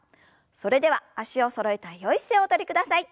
それでは脚をそろえたよい姿勢をおとりください。